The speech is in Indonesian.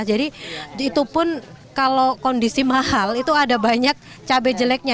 jadi itu pun kalau kondisi mahal itu ada banyak cabai jeleknya